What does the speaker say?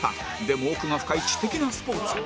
でも奥が深い知的なスポーツ